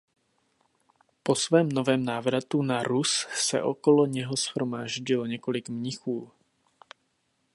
Po svém novém návratu na Rus se okolo něho shromáždilo několik mnichů.